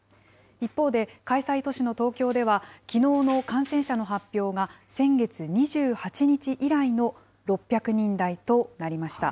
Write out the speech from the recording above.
一方で開催都市の東京では、きのうの感染者の発表が、先月２８日以来の６００人台となりました。